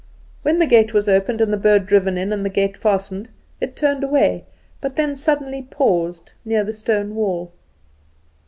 When the gate was opened and the bird driven in and the gate fastened, it turned away, but then suddenly paused near the stone wall.